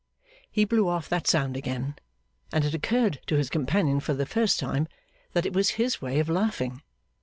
He blew off that sound again, and it occurred to his companion for the first time that it was his way of laughing.